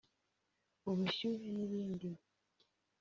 ubushyuhe n’ibindi